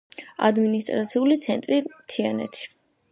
ადმინისტრაციული ცენტრი თიანეთი.